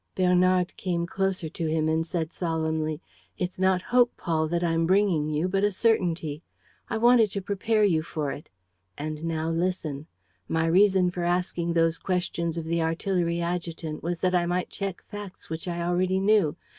Bernard came closer to him and said, solemnly: "It's not hope, Paul, that I'm bringing you, but a certainty. I wanted to prepare you for it. And now listen. My reason for asking those questions of the artillery adjutant was that I might check facts which I already knew.